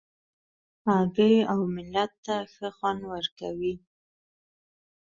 هګۍ اوملت ته ښه خوند ورکوي.